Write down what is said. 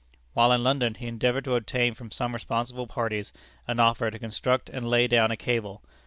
While in London, he endeavored to obtain from some responsible parties an offer to construct and lay down a cable.